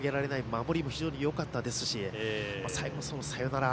守りも非常によかったですし最後のサヨナラ。